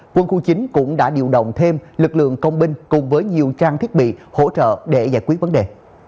quân khu chín cũng đã điều động thêm lực lượng công binh cùng với nhiều trang thiết bị hỗ trợ để giải quyết vấn đề